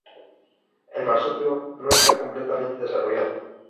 El marsupio no está completamente desarrollado.